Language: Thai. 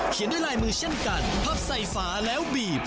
ด้วยลายมือเช่นกันพับใส่ฝาแล้วบีบ